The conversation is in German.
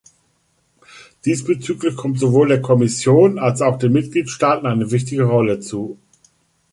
Diesbezüglich kommt sowohl der Kommission als auch den Mitgliedstaaten eine wichtige Rolle zu.